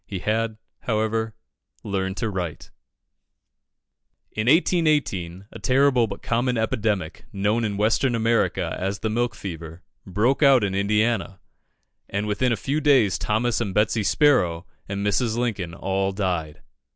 He had, however, learned to write. In 1818, a terrible but common epidemic, known in Western America as the milk fever, broke out in Indiana, and within a few days Thomas and Betsy Sparrow and Mrs. Lincoln all died.